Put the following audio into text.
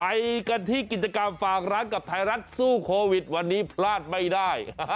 ไปกันที่กิจกรรมฝากร้านกับไทยรัฐสู้โควิดวันนี้พลาดไม่ได้